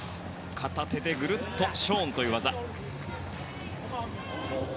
片手でぐるっとショーンという技。